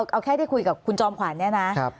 เอาแค่ได้คุยกับคุณจอมขวัญเนี่ยนะ